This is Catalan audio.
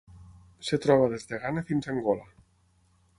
Es troba des de Ghana fins a Angola.